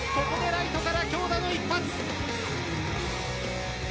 ここでライトから強打の一発。